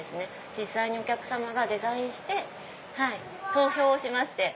実際にお客さまがデザインして投票をしまして。